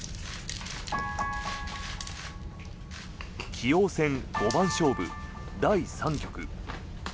棋王戦五番勝負第３局。